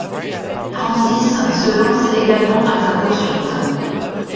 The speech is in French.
Francis se lance également à sa poursuite.